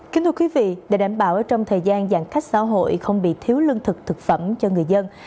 kính thưa quý vị để đảm bảo trong thời gian giãn cách xã hội không bị thiếu lương thực thực phẩm cho người dân